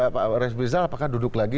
pak resbizal apakah duduk lagi